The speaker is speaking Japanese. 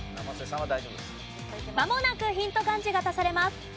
まもなくヒント漢字が足されます。